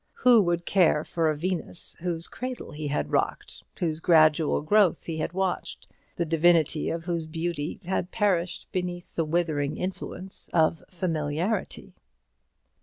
Who would care for a Venus whose cradle he had rocked, whose gradual growth he had watched, the divinity of whose beauty had perished beneath the withering influence of familiarity?